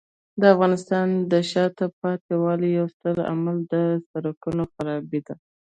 د افغانستان د شاته پاتې والي یو ستر عامل د سړکونو خرابۍ دی.